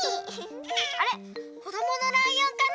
あれこどものライオンかな？